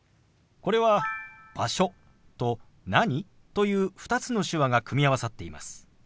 これは「場所」と「何？」という２つの手話が組み合わさっています。